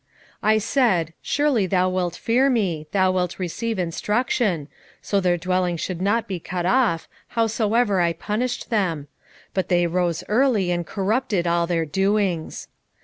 3:7 I said, Surely thou wilt fear me, thou wilt receive instruction; so their dwelling should not be cut off, howsoever I punished them: but they rose early, and corrupted all their doings.